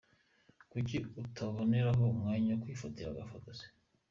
Kuki utaboneraho umwanya wo kwifatira agafoto se?.